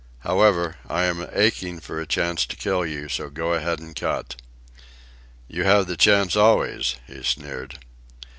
"However, I am aching for a chance to kill you, so go ahead and cut." "You have the chance always," he sneered.